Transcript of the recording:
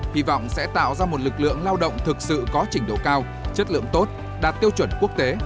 hy vọng sẽ tạo ra một lực lượng lao động thực sự có trình độ cao chất lượng tốt đạt tiêu chuẩn quốc tế